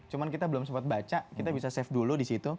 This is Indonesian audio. cuma kita belum sempat baca kita bisa save dulu di situ